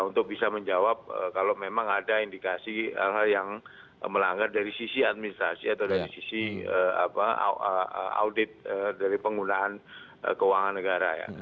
untuk bisa menjawab kalau memang ada indikasi hal hal yang melanggar dari sisi administrasi atau dari sisi audit dari penggunaan keuangan negara ya